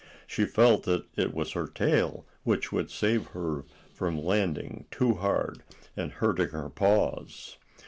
She felt that it was her tail which would save her from landing too hard and hurting her paws.